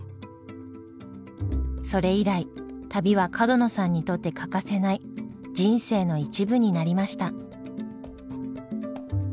それ以来旅は角野さんにとって欠かせない人生の一部になりました。